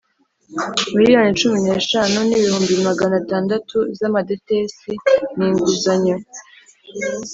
Miliyoni cumi n‘eshanu n’ibihumbi magana atandatu z’Amadetesi ni inguzanyo